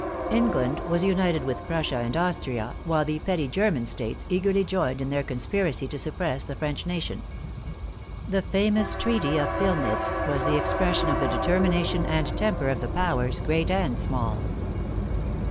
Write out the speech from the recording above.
England was united with Prussia and Austria, while the petty German States eagerly joined in this conspiracy to suppress the French nation. The famous treaty of Pilnitz was the expression of the de termination and temper of the Powers, great and small.